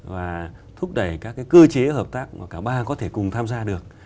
và thúc đẩy các cái cơ chế hợp tác mà cả ba có thể cùng tham gia được